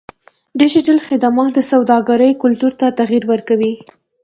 ډیجیټل خدمات د سوداګرۍ کلتور ته تغیر ورکوي.